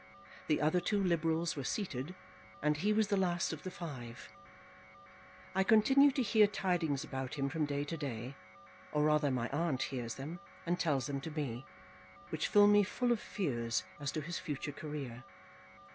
The other two Liberals were seated, and he was the last of the five. I continue to hear tidings about him from day to day, or rather, my aunt hears them and tells them to me, which fill me full of fears as to his future career.